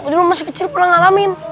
dulu masih kecil pulang ngalamin